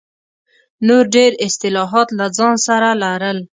نور ډېر اصلاحات له ځان سره لرل.